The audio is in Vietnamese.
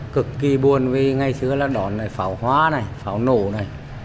cực kỳ buồn vì ngày xưa là đoán là pháo hóa này pháo nổ này